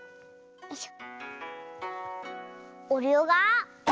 よいしょ。